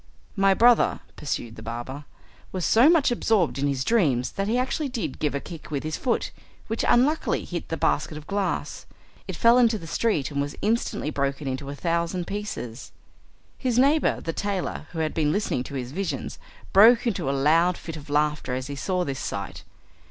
"My brother," pursued the barber, "was so much absorbed in his dreams that he actually did give a kick with his foot, which unluckily hit the basket of glass. It fell into the street and was instantly broken into a thousand pieces." His neighbour the tailor, who had been listening to his visions, broke into a loud fit of laughter as he saw this sight.